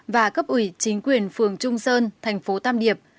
và cấp ủy chính quyền phường trung sơn tp tam điệp